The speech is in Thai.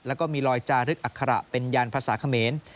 แล้วก็มีลอยจารึกอัคระเป็นยานภาษาเขมร